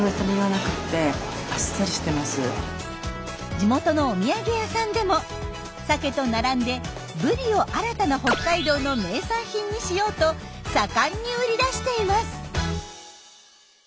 地元のお土産屋さんでもサケと並んでブリを新たな北海道の名産品にしようと盛んに売り出しています！